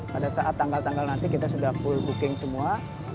pada saat tanggal tanggal nanti kita sudah full booking semua